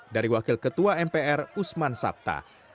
dari wakil ketua mpr usman sabta